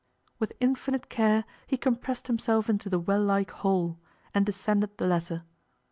With infinite care he compressed himself into the well like hole, and descended the latter.